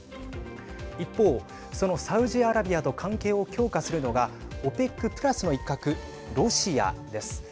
一方、そのサウジアラビアと関係を強化するのがＯＰＥＣプラスの一角ロシアです。